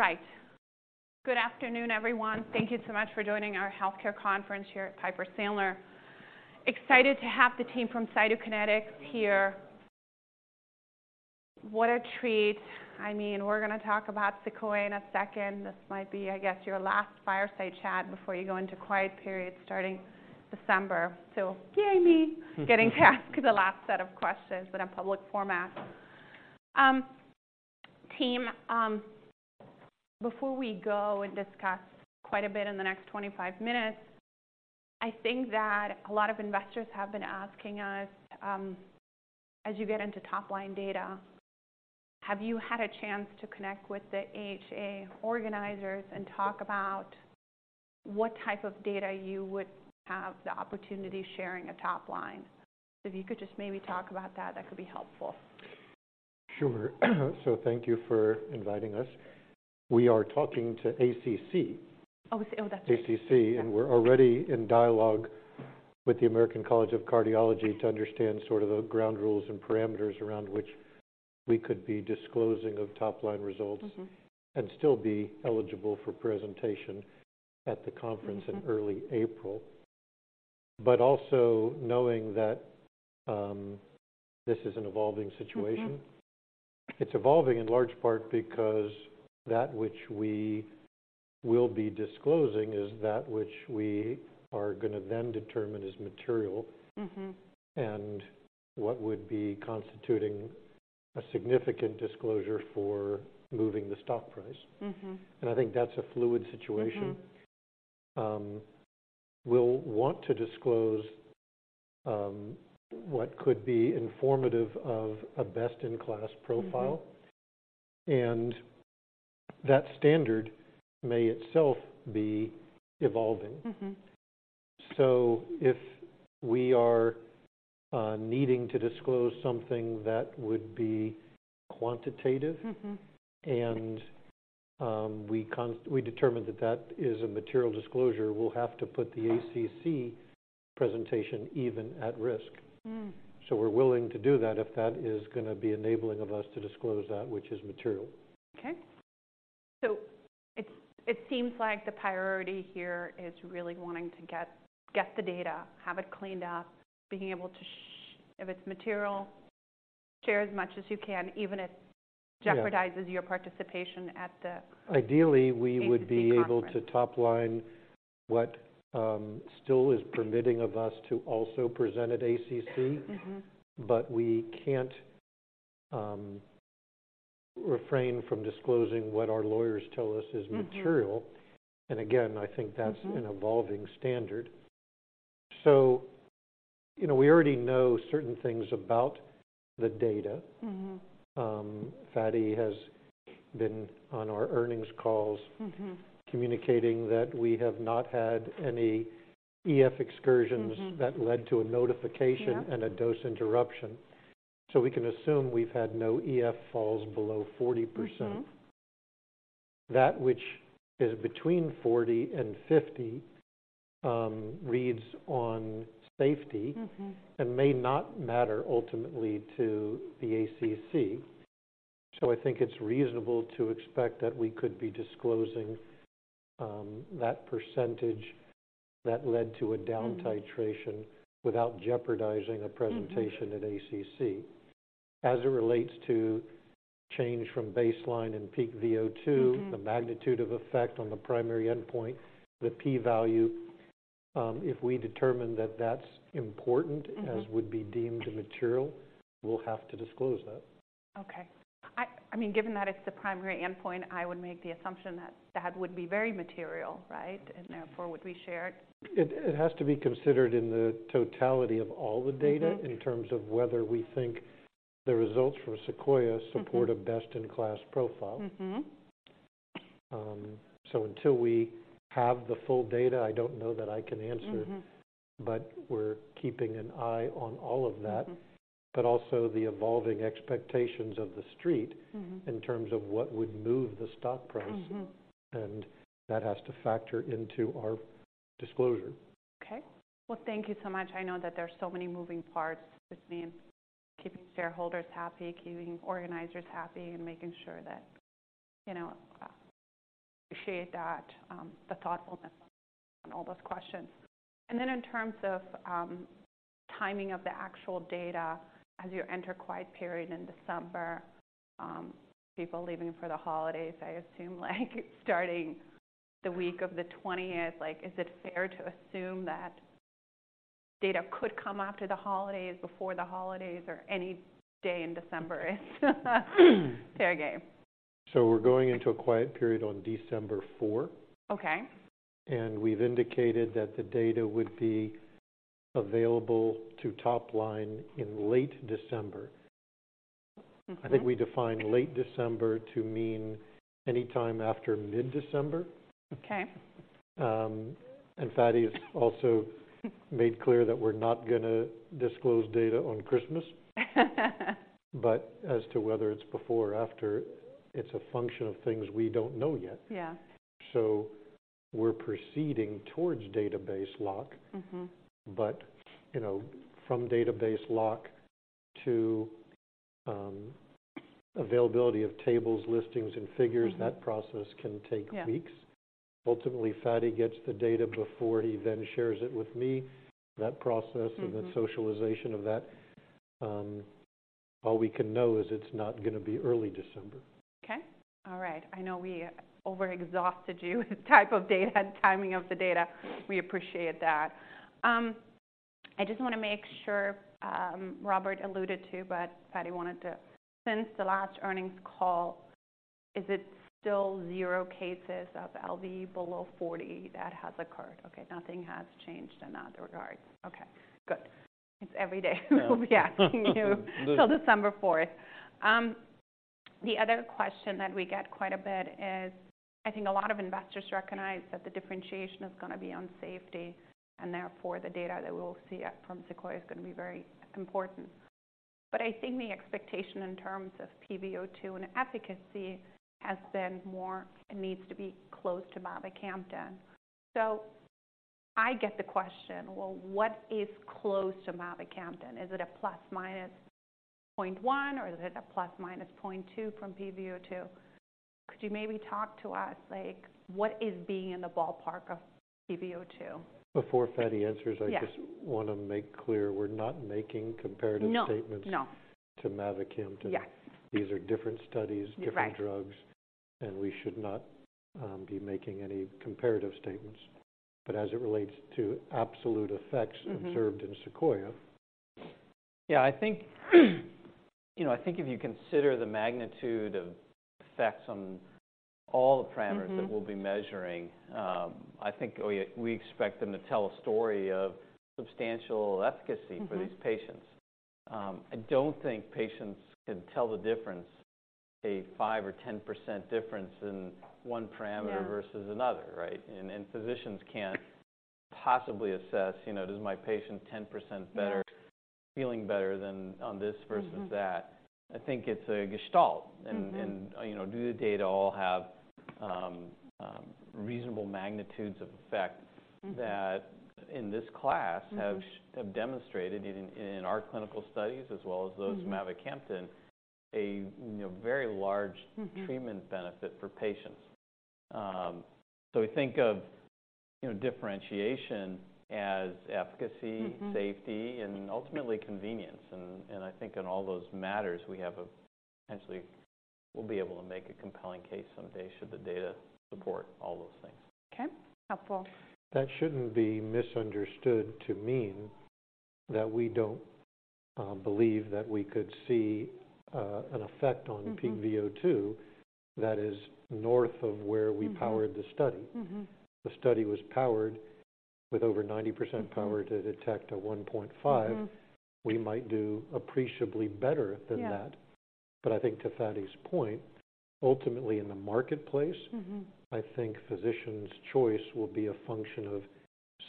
All right. Good afternoon, everyone. Thank you so much for joining our healthcare conference here at Piper Sandler. Excited to have the team from Cytokinetics here. What a treat! I mean, we're going to talk about SEQUOIA in a second. This might be, I guess, your last fireside chat before you go into quiet period starting December. So yay, me, getting to ask the last set of questions in a public format. Team, before we go and discuss quite a bit in the next 25 minutes, I think that a lot of investors have been asking us, as you get into top-line data, have you had a chance to connect with the AHA organizers and talk about what type of data you would have the opportunity sharing at top line? So if you could just maybe talk about that, that could be helpful. Sure. Thank you for inviting us. We are talking to ACC. Oh, oh, that's right. ACC, and we're already in dialogue with the American College of Cardiology to understand sort of the ground rules and parameters around which we could be disclosing of top-line results- Mm-hmm. and still be eligible for presentation at the conference. Mm-hmm -in early April. But also knowing that, this is an evolving situation. Mm-hmm. It's evolving in large part because that which we will be disclosing is that which we are going to then determine is material. Mm-hmm. What would be constituting a significant disclosure for moving the stock price? Mm-hmm. I think that's a fluid situation. Mm-hmm. We'll want to disclose what could be informative of a best-in-class profile. Mm-hmm. That standard may itself be evolving. Mm-hmm. So if we are needing to disclose something that would be quantitative. Mm-hmm And, we determine that that is a material disclosure, we'll have to put the ACC presentation even at risk. Hmm. We're willing to do that if that is going to be enabling of us to disclose that which is material. Okay. So it seems like the priority here is really wanting to get the data, have it cleaned up, being able to, if it's material, share as much as you can, even if it- Yeah Jeopardizes your participation at the Ideally, we would ACC conference be able to top line what still is permitting us to also present at ACC. Mm-hmm. But we can't refrain from disclosing what our lawyers tell us is material. Mm-hmm. And again, I think that's- Mm-hmm An evolving standard. So, you know, we already know certain things about the data. Mm-hmm. Fady has been on our earnings calls- Mm-hmm Communicating that we have not had any EF excursions. Mm-hmm That led to a notification. Yeah and a dose interruption. So we can assume we've had no EF falls below 40%. Mm-hmm. That which is between 40 and 50 reads on safety. Mm-hmm And may not matter ultimately to the ACC. So I think it's reasonable to expect that we could be disclosing, that percentage that led to a down titration. Mm Without jeopardizing a presentation. Mm-hmm At ACC. As it relates to change from baseline and peak VO2. Mm-hmm The magnitude of effect on the primary endpoint, the p-value, if we determine that that's important. Mm-hmm As would be deemed material, we'll have to disclose that. Okay. I mean, given that it's the primary endpoint, I would make the assumption that that would be very material, right? And therefore, would be shared. It has to be considered in the totality of all the data. Mm-hmm in terms of whether we think the results for SEQUOIA. Mm-hmm support a best-in-class profile. Mm-hmm. Until we have the full data, I don't know that I can answer. Mm-hmm. But we're keeping an eye on all of that. Mm-hmm. But also the evolving expectations of the street. Mm-hmm in terms of what would move the stock price. Mm-hmm. That has to factor into our disclosure. Okay. Well, thank you so much. I know that there are so many moving parts. This means keeping shareholders happy, keeping organizers happy, and making sure that, you know, appreciate that, the thoughtfulness on all those questions. And then in terms of, timing of the actual data as you enter quiet period in December, people leaving for the holidays, I assume, like, starting the week of the twentieth, like, is it fair to assume that data could come after the holidays, before the holidays, or any day in December is fair game? We're going into a quiet period on December fourth. Okay. We've indicated that the data would be available to top line in late December. Mm-hmm. I think we define late December to mean any time after mid-December. Okay. And Fady has also made clear that we're not going to disclose data on Christmas. But as to whether it's before or after, it's a function of things we don't know yet. Yeah. We're proceeding towards database lock. Mm-hmm. But, you know, from database lock to availability of tables, listings, and figures. Mm-hmm. That process can take. Yeah Weeks. Ultimately, Fady gets the data before he then shares it with me. That process Mm-hmm. And the socialization of that, all we can know is it's not gonna be early December. Okay. All right. I know we over exhausted you with the type of data and timing of the data. We appreciate that. I just wanna make sure, Robert alluded to, but Fady wanted to. Since the last earnings call, is it still 0 cases of LV below 40 that has occurred? Okay, nothing has changed in that regard. Okay, good. It's every day - Yeah. We'll be asking you till December fourth. The other question that we get quite a bit is, I think a lot of investors recognize that the differentiation is gonna be on safety, and therefore, the data that we'll see at, from SEQUOIA is gonna be very important. But I think the expectation in terms of peak VO2 and efficacy has been more, it needs to be close to mavacamten. So I get the question: Well, what is close to mavacamten? Is it a plus minus point one, or is it a plus minus point two from peak VO2? Could you maybe talk to us, like, what is being in the ballpark of peak VO2? Before Fady answers. Yeah I just wanna make clear, we're not making comparative statements. No, no To mavacamten. Yeah. These are different studies- Right Different drugs, and we should not be making any comparative statements. But as it relates to absolute effects. Mm-hmm Observed in SEQUOIA. Yeah, I think, you know, I think if you consider the magnitude of effects on all the parameters. Mm-hmm That we'll be measuring, I think we expect them to tell a story of substantial efficacy. Mm-hmm For these patients. I don't think patients can tell the difference, a 5% or 10% difference in one parameter. Yeah Versus another, right? And, and physicians can't possibly assess, you know, "Does my patient 10% better. Yeah Feeling better than on this versus that? Mm-hmm. I think it's a gestalt. Mm-hmm. You know, do the data all have reasonable magnitudes of effect. Mm-hmm That in this class. Mm-hmm Have demonstrated in our clinical studies, as well as those. Mm-hmm Mavacamten, you know, very large. Mm-hmm Treatment benefit for patients. So we think of, you know, differentiation as efficacy. Mm-hmm Safety, and ultimately convenience. And I think in all those matters, we have a potentially we'll be able to make a compelling case someday, should the data support all those things. Okay. Helpful. That shouldn't be misunderstood to mean that we don't believe that we could see an effect on. Mm-hmm Peak VO2, that is north of where we. Mm-hmm Powered the study. Mm-hmm. The study was powered with over 90% power. Mm-hmm To detect a 1.5. Mm-hmm. We might do appreciably better than that. Yeah. But I think to Fady's point, ultimately in the marketplace. Mm-hmm I think physicians' choice will be a function of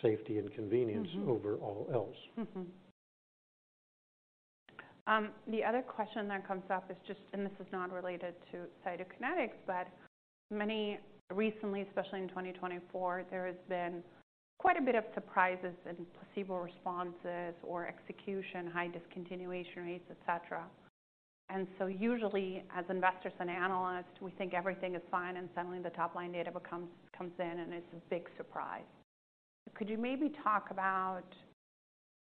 safety and convenience. Mm-hmm Over all else. Mm-hmm. The other question that comes up is just, and this is not related to kinetics, but many recently, especially in 2024, there has been quite a bit of surprises in placebo responses or execution, high discontinuation rates, etc. And so usually, as investors and analysts, we think everything is fine, and suddenly the top-line data becomes, comes in, and it's a big surprise. Could you maybe talk about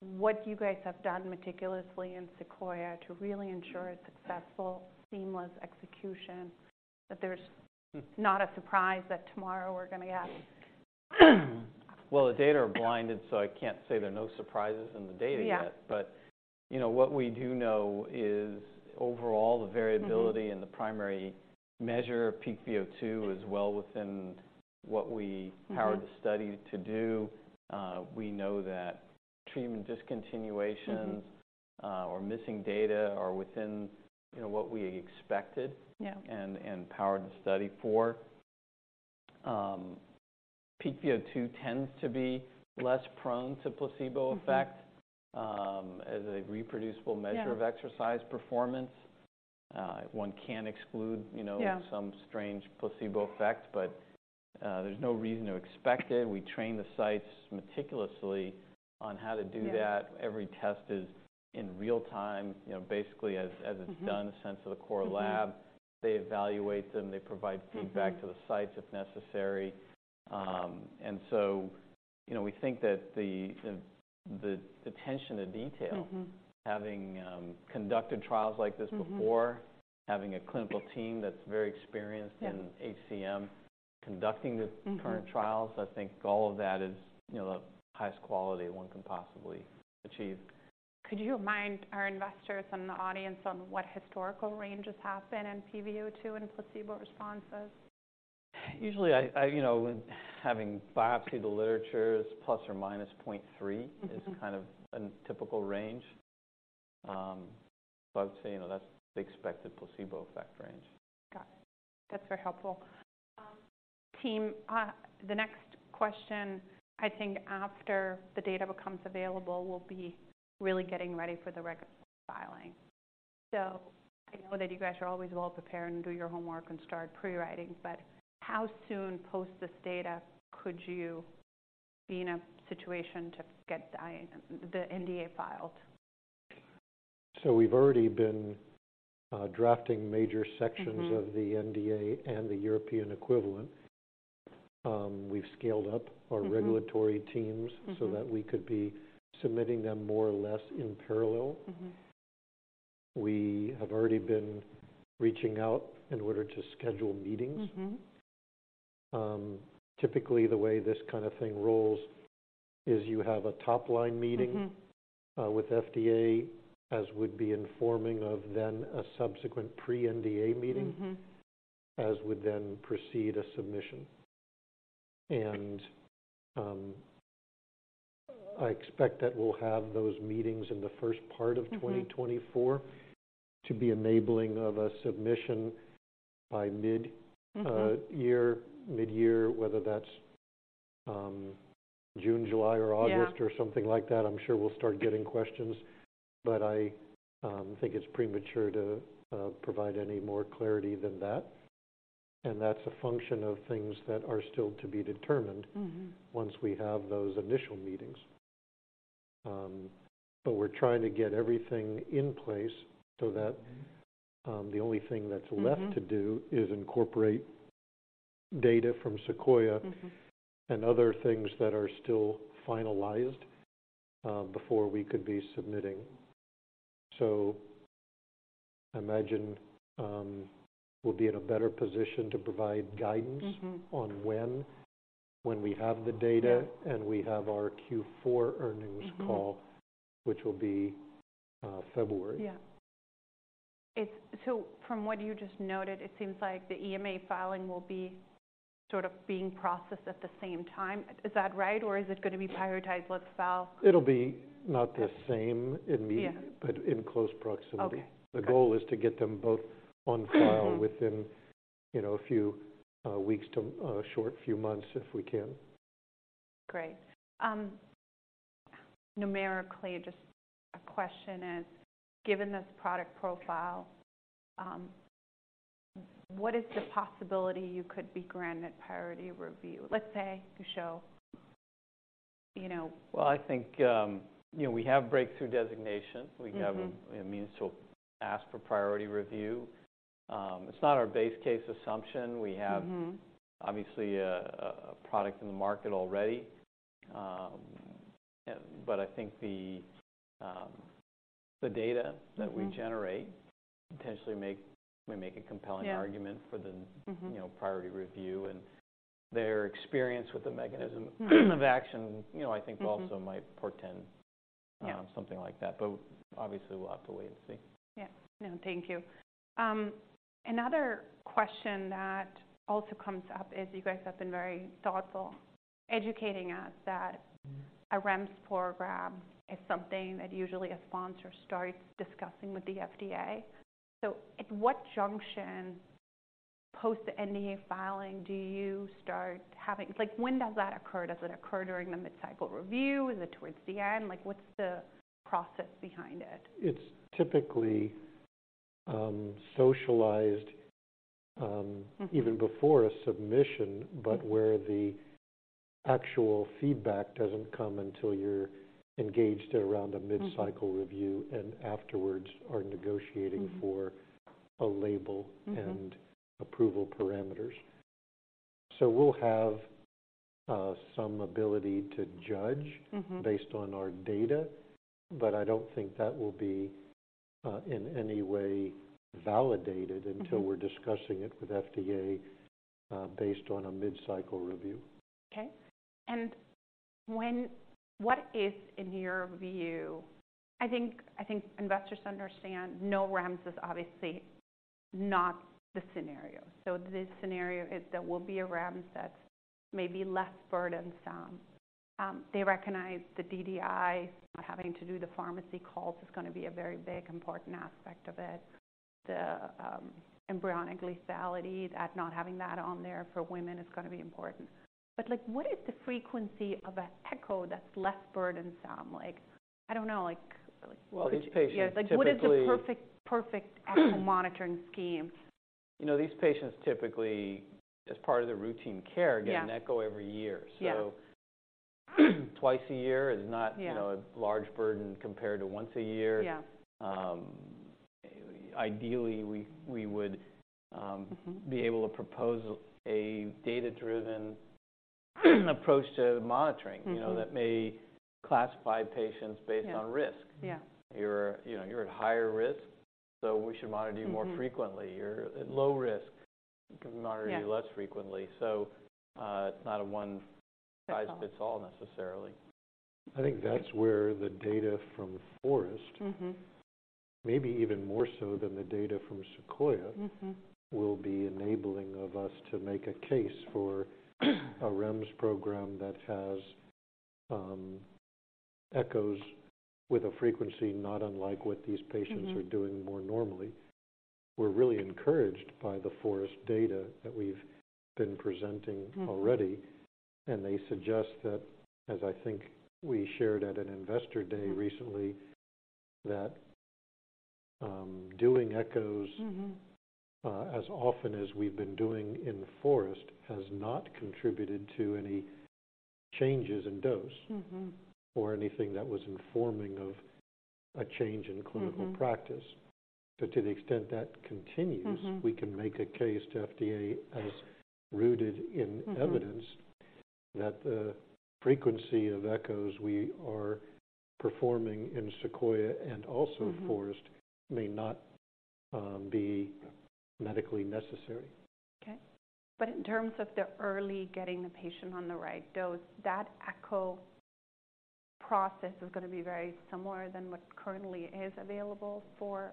what you guys have done meticulously in SEQUOIA to really ensure a successful, seamless execution, that there's- Mm Not a surprise that tomorrow we're gonna have? Well, the data are blinded, so I can't say there are no surprises in the data yet. Yeah. You know, what we do know is overall, the variability. Mm-hmm And the primary measure, peak VO2, is well within what we Mm-hmm Powered the study to do. We know that treatment discontinuations. Mm-hmm Or missing data are within, you know, what we expected. Yeah And powered the study for. Peak VO2 tends to be less prone to placebo effect. Mm-hmm As a reproducible measure. Yeah Of exercise performance. One can't exclude, you know. Yeah Some strange placebo effect, but there's no reason to expect it. We train the sites meticulously on how to do that. Yeah. Every test is in real time, you know, basically as it's done. Mm-hmm Sent to the core lab. Mm-hmm. They evaluate them, they provide feedback.. Mm-hmm. To the sites, if necessary. And so, you know, we think that the attention to detail. Mm-hmm. Having conducted trials like this before Mm-hmm. Having a clinical team that's very experienced Yeah In HCM, conducting the Mm-hmm Current trials, I think all of that is, you know, the highest quality one can possibly achieve. Could you remind our investors and the audience on what historical ranges happen in peak VO2 and placebo responses? Usually I, you know, when having biopsied the literature, it's plus or minus 0.3. Mm-hmm Is kind of a typical range. But I would say, you know, that's the expected placebo effect range. Got it. That's very helpful. Team, the next question, I think after the data becomes available, will be really getting ready for the record filing. So I know that you guys are always well prepared and do your homework and start pre-writing, but how soon post this data could you be in a situation to get the NDA filed? We've already been drafting major sections. Mm-hmm. Of the NDA and the European equivalent. We've scaled up. Mm-hmm. our regulatory teams Mm-hmm. so that we could be submitting them more or less in parallel. Mm-hmm. We have already been reaching out in order to schedule meetings. Mm-hmm. Typically, the way this kind of thing rolls is you have a top-line meeting. Mm-hmm. With FDA, as would be informing of then a subsequent pre-NDA meeting. Mm-hmm. As would then proceed a submission. I expect that we'll have those meetings in the first part of Mm-hmm 2024, to be enabling of a submission by mid. Mm-hmm Year, mid-year, whether that's June, July or August. Yeah Or something like that. I'm sure we'll start getting questions, but I think it's premature to provide any more clarity than that. And that's a function of things that are still to be determined- Mm-hmm Once we have those initial meetings. But we're trying to get everything in place so that, the only thing that's Mm-hmm. Left to do is incorporate data from SEQUOIA. Mm-hmm. And other things that are still finalized before we could be submitting. So I imagine we'll be in a better position to provide guidance- Mm-hmm. On when we have the data Yeah We have our Q4 earnings call. Mm-hmm. Which will be, February. Yeah. It's so from what you just noted, it seems like the EMA filing will be sort of being processed at the same time. Is that right, or is it going to be prioritized, let's file? It'll be not the same. Yeah Immediate, but in close proximity. Okay. The goal is to get them both on file. Mm-hmm within, you know, a few weeks to a short few months, if we can. Great. Numerically, just a question is, given this product profile, what is the possibility you could be granted priority review? Let's say, to show, you know- Well, I think, you know, we have Breakthrough Designation. Mm-hmm. We have a means to ask for priority review. It's not our base case assumption. Mm-hmm. We have, obviously, a product in the market already. But I think the data. Mm-hmm. That we generate may make a compelling argument. Yeah. For the Mm-hmm. you know, priority review and their experience with the mechanism. Mm-hmm. Of action, you know, I think Mm-hmm also might portend Yeah Something like that. But obviously, we'll have to wait and see. Yeah. No, thank you. Another question that also comes up is, you guys have been very thoughtful, educating us that- Mm-hmm. A REMS program is something that usually a sponsor starts discussing with the FDA. So at what junction post the NDA filing do you start having. Like, when does that occur? Does it occur during the mid-cycle review? Is it towards the end? Like, what's the process behind it? It's typically socialized. Mm-hmm Even before a submission. Mm-hmm. But where the actual feedback doesn't come until you're engaged around a Mm-hmm. Mid-cycle review and afterwards are negotiating. Mm-hmm. For a label. Mm-hmm. And approval parameters. So we'll have some ability to judge. Mm-hmm. Based on our data, but I don't think that will be, in any way validated. Mm-hmm. Until we're discussing it with FDA, based on a mid-cycle review. Okay. And when. What is, in your view. I think, I think investors understand no REMS is obviously not the scenario. So this scenario is there will be a REMS that's maybe less burdensome. They recognize the DDI, not having to do the pharmacy calls is going to be a very big, important aspect of it. The embryonic lethality, at not having that on there for women is going to be important. But like, what is the frequency of an echo that's less burdensome? Like, I don't know, like Well, these patients typically. Yeah, like, what is the perfect echo monitoring scheme? You know, these patients typically, as part of their routine care. Yeah Get an echo every year. Yeah. Twice a year is not. Yeah You know, a large burden compared to once a year. Yeah. Ideally, we would, Mm-hmm be able to propose a data-driven approach to monitoring Mm-hmm you know, that may classify patients based on risk. Yeah. Yeah. You're, you know, you're at higher risk, so we should monitor you more frequently. Mm-hmm. You're at low risk. Yeah We can monitor you less frequently. So, it's not a one. Size Fits all, necessarily. I think that's where the data from FOREST-HCM. Mm-hmm Maybe even more so than the data from SEQUOIA. Mm-hmm Will be enabling of us to make a case for a REMS program that has, echoes with a frequency not unlike what these patients. Mm-hmm are doing more normally. We're really encouraged by the FOREST data that we've been presenting. Mm-hmm Already, and they suggest that, as I think we shared at an investor day recently, that Mm-hmm. As often as we've been doing in FOREST has not contributed to any changes in dose. Mm-hmm. Or anything that was informing of a change in clinical. Mm-hmm. Practice. But to the extent that continues. Mm-hmm. We can make a case to FDA as rooted in Mm-hmm. evidence that the frequency of echoes we are performing in SEQUOIA and also Mm-hmm. FOREST may not be medically necessary. Okay. But in terms of the early getting the patient on the right dose, that ECHO process is gonna be very similar than what currently is available for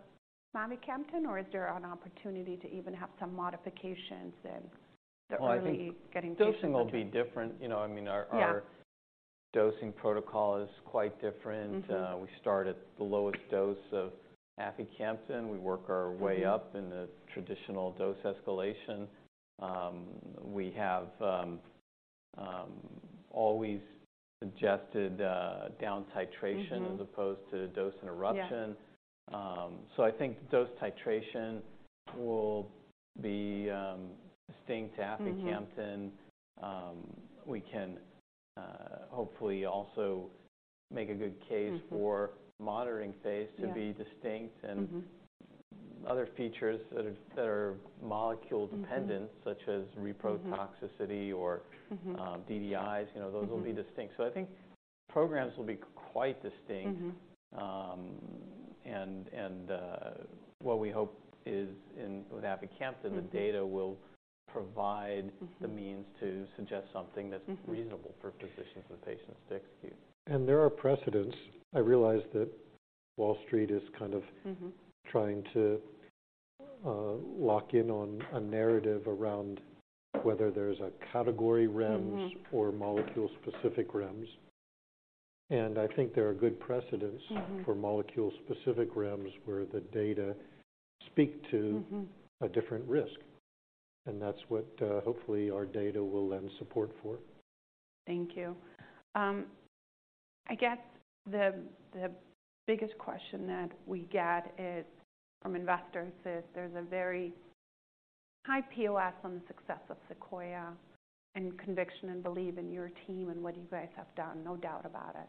mavacamten? Or is there an opportunity to even have some modifications in the early. Well, I think. Getting patient? Dosing will be different. You know, I mean, our Yeah Our dosing protocol is quite different. Mm-hmm. We start at the lowest dose of aficamten. We work our way. Mm-hmm Up in the traditional dose escalation. We have always suggested down titration. Mm-hmm As opposed to dose interruption. Yeah. So I think dose titration will be distinct to aficamten. Mm-hmm. We can hopefully also make a good case. Mm-hmm For monitoring phase. Yeah To be distinct and Mm-hmm. Other features that are, that are molecule dependent. Mm-hmm Such as reprotoxicity. Mm-hmm or, DDIs. Mm-hmm. You know, those will be distinct. I think programs will be quite distinct. Mm-hmm. And what we hope is in, with aficamten. Mm-hmm. The data will provide. Mm-hmm. the means to suggest something that's Mm-hmm. reasonable for physicians and patients to execute. There are precedents. I realize that Wall Street is kind of Mm-hmm. Trying to lock in on a narrative around whether there's a category REMS Mm-hmm. or molecule-specific REMS. And I think there are good precedents. Mm-hmm. for molecule-specific REMS, where the data speak to Mm-hmm. a different risk. And that's what, hopefully our data will lend support for. Thank you. I guess the biggest question that we get is, from investors, is there's a very high POS on the success of SEQUOIA and conviction and belief in your team and what you guys have done. No doubt about it.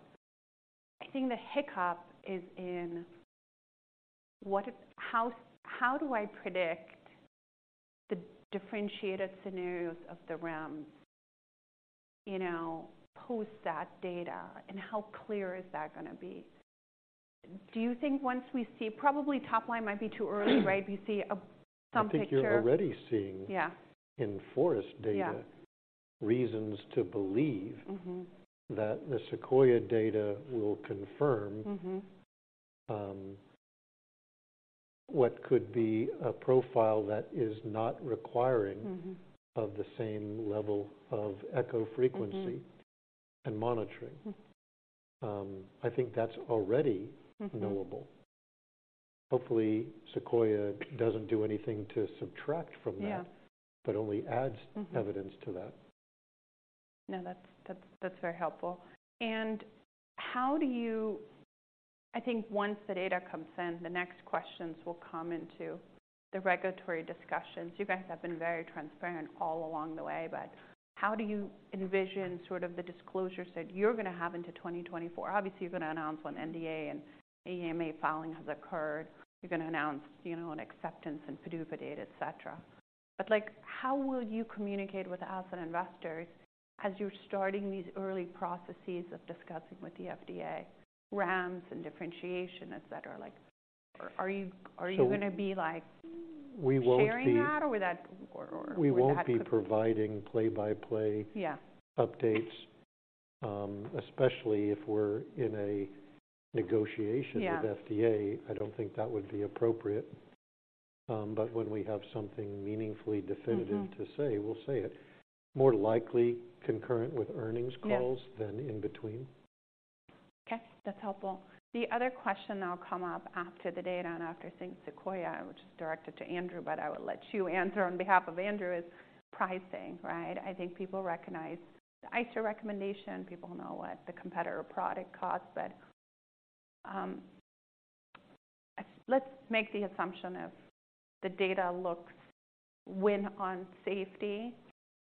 I think the hiccup is in what, how do I predict the differentiated scenarios of the REMS, you know, post that data? And how clear is that gonna be? Do you think once we see. Probably top line might be too early, right? We see some picture. I think you're already seeing. Yeah In FOREST data. Yeah Reasons to believe. Mm-hmm That the SEQUOIA data will confirm. Mm-hmm What could be a profile that is not requiring. Mm-hmm of the same level of ECHO frequency. Mm-hmm And monitoring. Mm. I think that's already. Mm-hmm knowable. Hopefully, SEQUOIA doesn't do anything to subtract from that Yeah But only adds Mm-hmm Evidence to that. No, that's very helpful. And how do you. I think once the data comes in, the next questions will come into the regulatory discussions. You guys have been very transparent all along the way, but how do you envision sort of the disclosures that you're gonna have into 2024? Obviously, you're gonna announce when NDA and EMA filing has occurred. You're gonna announce, you know, an acceptance and PDUFA date, et cetera. But like, how will you communicate with us and investors as you're starting these early processes of discussing with the FDA, REMS and differentiation, et cetera? Like, are you So Are you gonna be like We won't be Sharing that, or would that We won't be providing play-by-play- Yeah Updates, especially if we're in a negotiation- Yeah With FDA. I don't think that would be appropriate. But when we have something meaningfully definitive- Mm-hmm to say, we'll say it. More likely concurrent with earnings calls. Yeah Than in between. Okay, that's helpful. The other question that'll come up after the data and after I think SEQUOIA, which is directed to Andrew, but I will let you answer on behalf of Andrew, is pricing, right? I think people recognize the ICER recommendation. People know what the competitor product costs, but let's make the assumption if the data looks win on safety,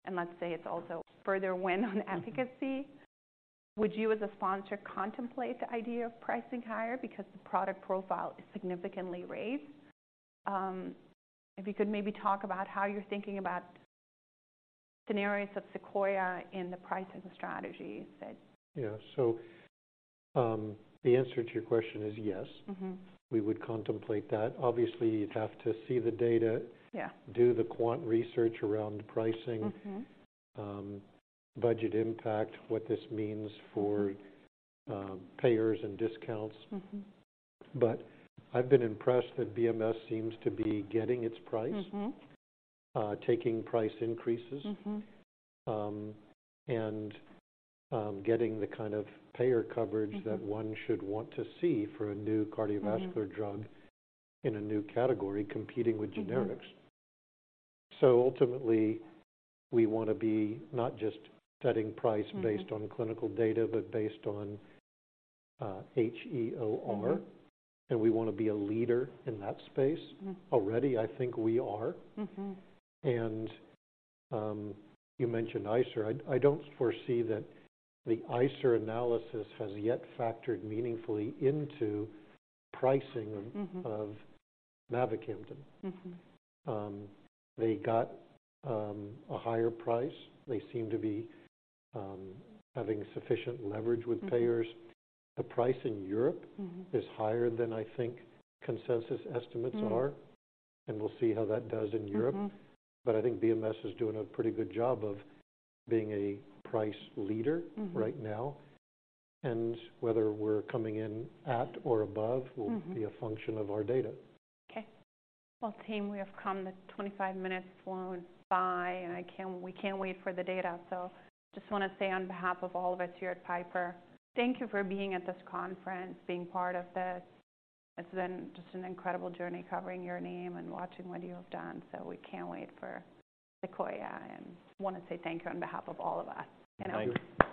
and let's say it's also further win on efficacy. Would you, as a sponsor, contemplate the idea of pricing higher because the product profile is significantly raised? If you could maybe talk about how you're thinking about scenarios of SEQUOIA in the pricing strategy that- Yeah. The answer to your question is yes. Mm-hmm. We would contemplate that. Obviously, you'd have to see the data- Yeah Do the quant research around pricing- Mm-hmm budget impact, what this means for- Mm-hmm payers and discounts. Mm-hmm. But I've been impressed that BMS seems to be getting its price. Mm-hmm. Taking price increases- Mm-hmm And getting the kind of payer coverage- Mm-hmm That one should want to see for a new cardiovascular Mm-hmm Drug in a new category, competing with generics. Mm-hmm. So ultimately, we wanna be not just setting price- Mm-hmm -based on clinical data, but based on HEOR. Mm-hmm. We wanna be a leader in that space. Mm. Already I think we are. Mm-hmm. You mentioned ICER. I don't foresee that the ICER analysis has yet factored meaningfully into pricing of- Mm-hmm Mavacamten. Mm-hmm. They got a higher price. They seem to be having sufficient leverage with payers. Mm-hmm. The price in Europe- Mm-hmm is higher than I think consensus estimates are Mm and we'll see how that does in Europe. Mm-hmm. But I think BMS is doing a pretty good job of being a price leader- Mm-hmm Right now, and whether we're coming in at or above- Mm-hmm will be a function of our data. Okay. Well, team, we have come to 25 minutes, flown by, and I can't, we can't wait for the data. So just wanna say on behalf of all of us here at Piper, thank you for being at this conference, being part of this. It's been just an incredible journey, covering your name and watching what you have done. So we can't wait for SEQUOIA, and wanna say thank you on behalf of all of us. You know? Thank you.